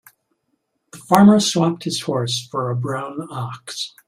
The farmer swapped his horse for a brown ox.